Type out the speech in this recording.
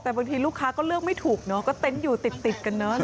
แต่บางทีลูกค้าก็เลือกไม่ถูกเนาะก็เต็นต์อยู่ติดกันเนอะ